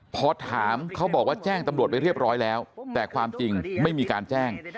พอถามเขาบอกว่าแจ้งตำรวจไปเรียบร้อยแล้วแต่ความจริงไม่มีการแจ้ง